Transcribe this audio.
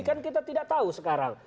kan kita tidak tahu sekarang